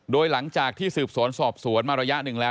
โดยหลังจากที่สืบสวนสอบสวนมาระยะหนึ่งแล้ว